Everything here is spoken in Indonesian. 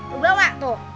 lu bawa tuh